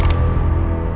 laki laki itu masih hidup